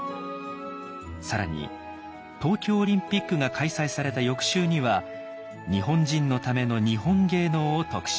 更に東京オリンピックが開催された翌週には「日本人の為の日本芸能」を特集。